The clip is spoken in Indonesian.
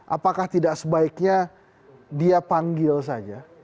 apakah tidak sebaiknya dia panggil saja